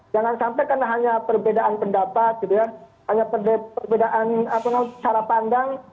jangan sampai karena hanya perbedaan pendapat gitu ya hanya perbedaan cara pandang